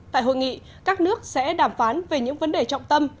tại hội nghị các nước sẽ đàm phán về những vấn đề trọng tâm